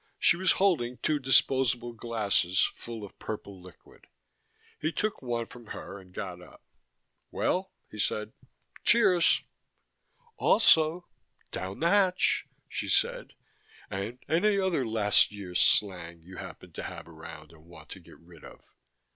She was holding two disposable glasses, full of purple liquid. He took one from her and got up. "Well," he said, "cheers." "Also down the hatch," she said. "And any other last year's slang you happen to have around and want to get rid of."